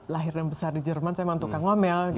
lahir dan besar di jerman saya mantukan ngomel